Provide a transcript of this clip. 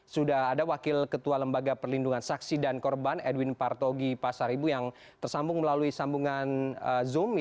sudah ada wakil ketua lembaga perlindungan saksi dan korban edwin partogi pasar ibu yang tersambung melalui sambungan zoom